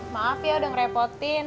maaf ya udah ngerepotin